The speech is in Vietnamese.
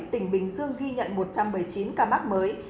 tỉnh bình dương ghi nhận một trăm bảy mươi chín ca mắc mới